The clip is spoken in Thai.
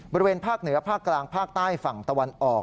บริเวณภาคเหนือภาคกลางภาคใต้ฝั่งตะวันออก